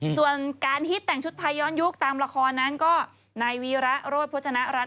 ส่วนการฮิตแต่งชุดไทยย้อนยุคตามละครนั้นก็นายวีระโรธพจนรัฐ